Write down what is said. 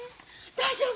大丈夫。